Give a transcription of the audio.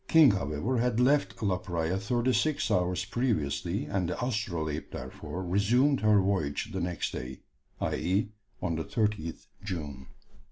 King, however, had left La Praya thirty six hours previously, and the Astrolabe therefore resumed her voyage the next day, i.e. on the 30th June.